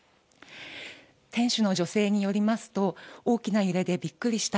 店主の女性によりますと、大きな揺れでびっくりした。